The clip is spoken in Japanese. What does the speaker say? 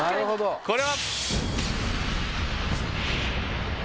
「これは？」。